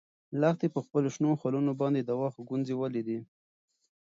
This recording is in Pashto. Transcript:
لښتې په خپلو شنو خالونو باندې د وخت ګونځې ولیدې.